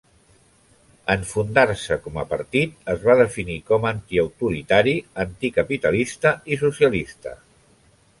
En fundar-se com a partit, es va definir com antiautoritari, anticapitalista i socialista.